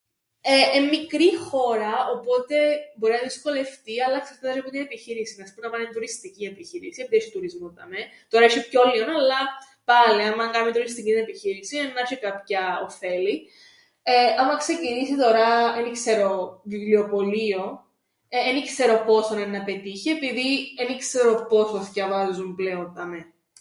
Ε εν' μικρή χώρα, οπότε μπορεί να δυσκολευτεί, αλλά εξαρτάται τžαι που την επιχείρησην, ας πούμεν άμαν εν' τουριστική επιχείρηση, επειδή έσ̆ει τουρισμόν δαμαί, τωρά έσ̆ει πιο λλίον αλλά πάλε άμαν κάμει τουριστικήν επιχείρησην, εννά 'σ̆ει κάποια οφέλη. Άμαν ξεκινήσει τωρά εν ι-ξέρω βιβλιοπωλείον, ε εν ι-ξέρω πόσον έννα πετύχει, επειδή εν ι-ξέρω πόσον θκιαβάζουν πλέον δαμαί.